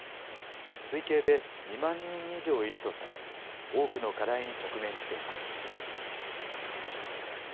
推計で２万人以上いるとされ、多くの課題に直面しています。